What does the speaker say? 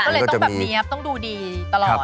ก็เลยต้องแบบเนี๊ยบต้องดูดีตลอด